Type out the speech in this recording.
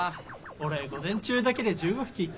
俺午前中だけで１５匹いった。